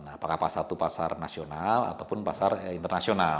apakah pasar itu pasar nasional ataupun pasar internasional